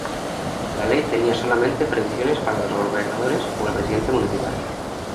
La ley tenía solamente previsiones para los gobernadores o el presidente municipal.